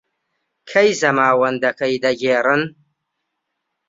کەی زەماوەندەکەی دەگێڕن؟